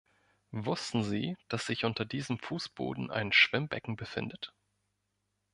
Wussten Sie, dass sich unter diesem Fußboden ein Schwimmbecken befindet?